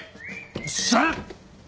よっしゃあ！